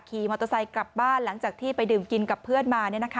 ขี่มอเตอร์ไซค์กลับบ้านหลังจากที่ไปดื่มกินกับเพื่อนมา